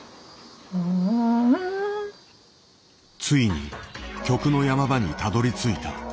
ついに曲の山場にたどりついた。